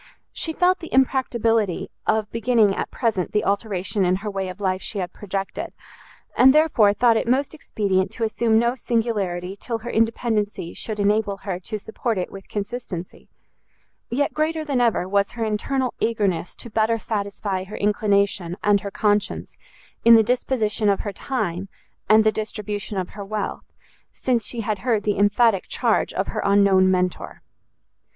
She felt the impracticability of beginning at present the alteration in her way of life she had projected, and therefore thought it most expedient to assume no singularity till her independency should enable her to support it with consistency; yet greater than ever was her internal eagerness to better satisfy her inclination and her conscience in the disposition of her time, and the distribution of her wealth, since she had heard the emphatic charge of her unknown Mentor.